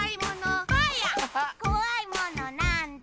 「こわいものなんだ？」